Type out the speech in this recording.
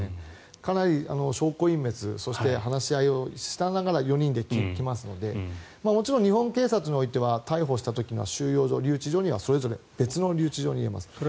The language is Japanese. かなり証拠隠滅を話し合いをした中で４人は来ますのでもちろん日本警察においては逮捕した時の収容所、留置場はそれぞれ別の留置場に置きます。